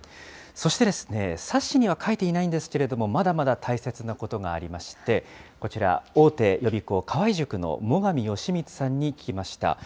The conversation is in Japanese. そしてですね、冊子には書いていないんですけれども、まだまだ大切なことがありまして、こちら、大手予備校、河合塾の最上芳光さんに聞きました。